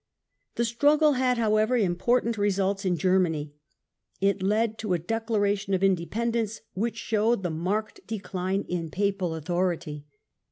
The struggle had, however, important results in Germany. It led to a declaration of independence, which showed the marked decline in Papal authority.